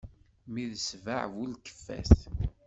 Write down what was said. Mmi d ssbeɛ bu lkeffat.